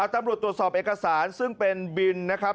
ตำรวจตรวจสอบเอกสารซึ่งเป็นบินนะครับ